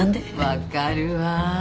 わかるわ。